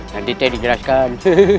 nanti saya dijelaskan